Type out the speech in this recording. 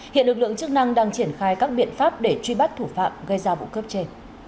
hiện lực lượng chức năng đang triển khai các biện pháp để truy bắt thủ phạm gây ra vụ cướp chê